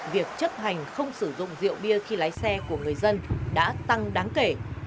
việc chấp hành không sử dụng rượu bia khi lái xe của người dân đã tăng đáng kể